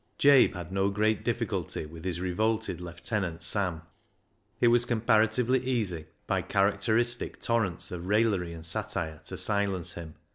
Jabe had no great difficulty with his revolted lieutenant Sam. It was comparatively easy by characteristic torrents of raillery and satire to silence him.